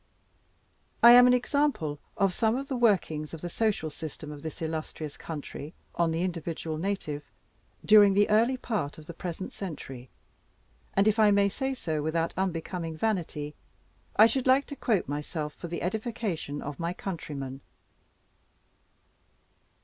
I am an example of some of the workings of the social system of this illustrious country on the individual native, during the early part of the present century; and, if I may say so without unbecoming vanity, I should like to quote myself for the edification of my countrymen.